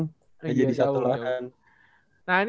gak jadi satu lahan